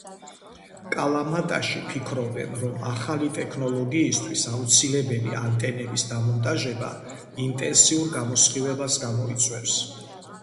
კალამატაში ფიქრობენ, რომ ახალი ტექნოლოგიისთვის აუცილებელი ანტენების დამონტაჟება, ინტენსიურ გამოსხივებას გამოიწვევს.